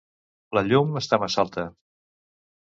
La llum està massa alta.